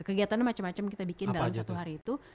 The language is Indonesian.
kegiatan macam macam kita bikin dalam satu hari itu